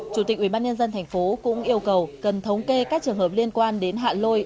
chủ tịch ubnd tp cũng yêu cầu cần thống kê các trường hợp liên quan đến hạ lôi